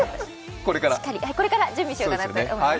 これから準備しようかなと思います。